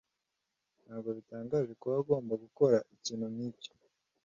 Ntabwo bitangaje kuba agomba gukora ikintu nkicyo.